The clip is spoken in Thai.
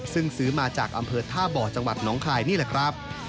ซึ่งซื้อมาจากอำเภอท่าบ่อจังหวัดน้องคายนี่แหละครับ